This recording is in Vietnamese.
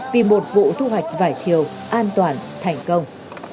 vì một vụ thu hoạch vải thiều an toàn thành công